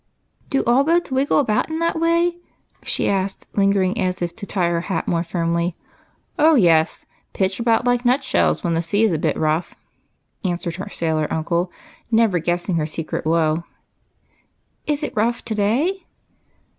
"Do all boats wiggle about in that way?" she asked, lingering as if to tie her hat more firmly. "Oh, yes, pitch about like nut shells when the sea is a bit rough," answered her sailor uncle, never guessing her secret woe. "Is it rough to day?"